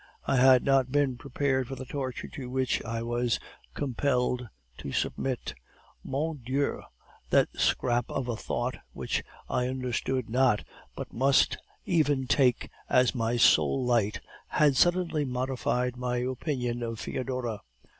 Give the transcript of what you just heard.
I had not been prepared for the torture to which I was compelled to submit. "'Mon Dieu!' that scrap of a thought which I understood not, but must even take as my sole light, had suddenly modified my opinion of Foedora.